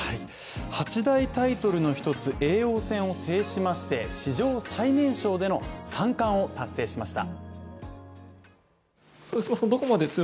八大タイトルの一つ、叡王戦を制しまして史上最年少での三冠を達成しました。